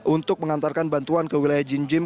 untuk mengantarkan bantuan ke wilayah gym gym